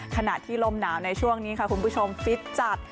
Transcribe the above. ขณะที่ลมหนาวในช่วงนี้ค่ะคุณผู้ชมฟิตจัด